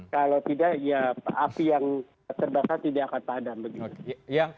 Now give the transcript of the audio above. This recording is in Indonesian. kalau tidak ya api yang terbakar tidak akan padam begitu